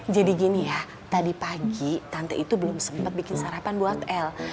jadi gini ya tadi pagi tante itu belum sempet bikin sarapan buat el